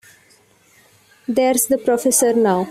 There's the professor now.